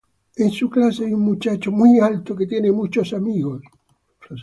En su clase hay un muchacho muy alto que tiene muchos amigos.